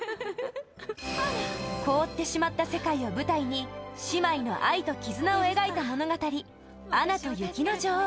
凍ってしまった世界を舞台に姉妹の愛と絆を描いた物語「アナと雪の女王」